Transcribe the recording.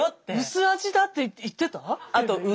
薄味だって言ってた？